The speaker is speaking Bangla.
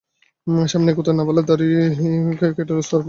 সামনে এগুতে না পারলে দড়ি কেটে লুজ করে দেব।